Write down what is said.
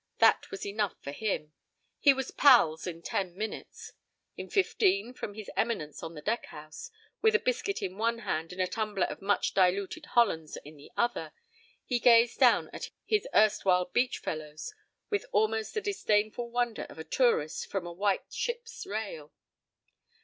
That was enough for him. He was "pals" in ten minutes; in fifteen, from his eminence on the deckhouse, with a biscuit in one hand and a tumbler of much diluted Hollands in the other, he gazed down at his erstwhile beach fellows with almost the disdainful wonder of a tourist from a white ship's rail.